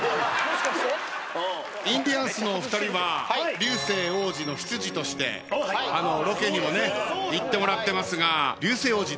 インディアンスのお二人は流星王子の執事としてロケにも行ってもらってますが。